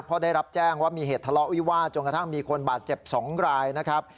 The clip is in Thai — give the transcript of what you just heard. เพราะได้รับแจ้งว่ามีเหตุทะเลาะวิวาสจนกระทั่งมีคนบาดเจ็บ๒รายนะครับ